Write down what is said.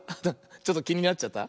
ちょっときになっちゃった？